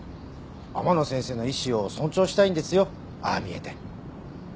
天野先生の意思を尊重したいんですよああ見えて。